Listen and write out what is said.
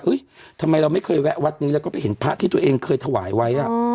ทำไมเราไม่เคยแวะวัดนี้แล้วก็ไปเห็นพระที่ตัวเองเคยถวายไว้